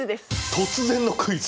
突然のクイズ！